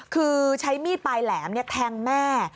คือใช้มีดไปแหลมเนี่ยแทงแม่